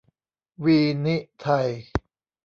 วีนิไทย